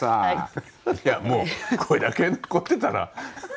いやもうこれだけ残ってたら。